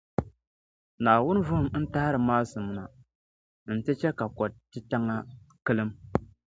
Naawuni vuhim n-tahiri maasim na, nti chɛ ka ko’ titaŋa kilim.